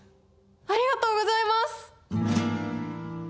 ありがとうございます！